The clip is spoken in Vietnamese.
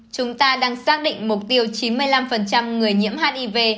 chúng ta đang xác định mục tiêu chín mươi năm người nhiễm hiv